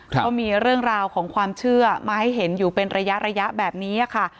ก็มีเรื่องราวของความเชื่อมาให้เห็นอยู่เป็นระยะแบบนี้ค่ะ